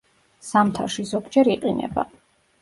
ზამთარში ზოგჯერ იყინება.